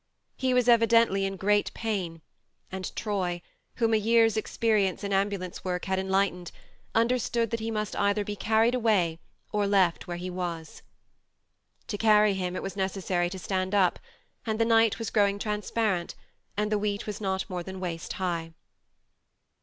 He was evidently in great pain, and Troy, whom a year's ex perience in ambulance work had en lightened, understood that he must either be carried away or left where he was. To carry him it was necessary to stand up, and the night was growing transparent, and the wheat was not more than waist high.